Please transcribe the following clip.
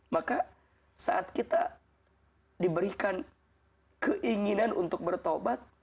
maka saat kita diberikan keinginan untuk bertobat